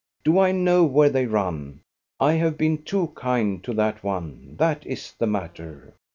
Do I know where they run.? I have been too kind to that one; that is the matter.